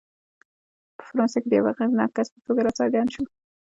په فرانسه کې د یوه اغېزناک کس په توګه راڅرګند شو.